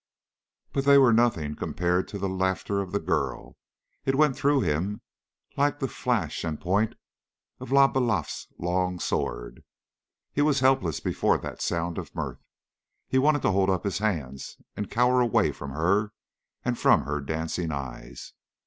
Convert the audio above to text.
But they were nothing compared with the laughter of the girl. It went through him like the flash and point of Le Balafré's long sword. He was helpless before that sound of mirth. He wanted to hold up his hands and cower away from her and from her dancing eyes.